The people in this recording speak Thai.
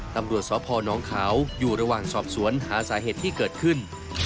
ตำรวจสพนขาวอยู่ระหว่างสอบสวนหาสาเหตุที่เกิดขึ้น